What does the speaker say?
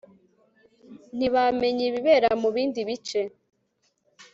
ntibamenya ibibera mu bindi bice